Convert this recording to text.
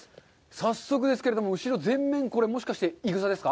早速ですけれども、後ろ全面もしかして、いぐさですか？